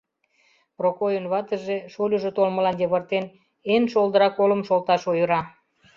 Прокойын ватыже, шольыжо толмылан йывыртен, эн шолдыра колым шолташ ойыра.